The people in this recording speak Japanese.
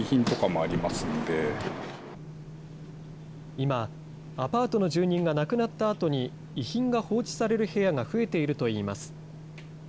今、アパートの住人が亡くなったあとに、遺品が放置される部屋が増えているといいます。